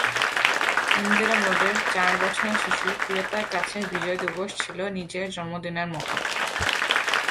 ইন্দিরা রোডের চার বছরের শিশু প্রিয়তার কাছে বিজয় দিবস ছিল নিজের জন্মদিনের মতো।